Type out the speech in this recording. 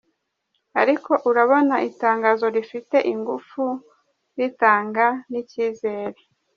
ariko urabona itangazo rifite ingufu ritanga n’ikizere!